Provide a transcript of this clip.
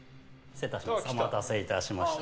お待たせいたしました。